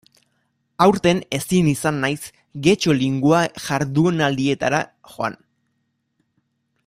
Aurten ezin izan naiz Getxo Linguae jardunaldietara joan.